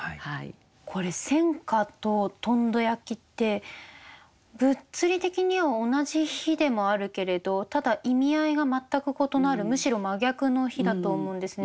これ「戦火」と「とんど焼」って物理的には同じ火でもあるけれどただ意味合いが全く異なるむしろ真逆の火だと思うんですね。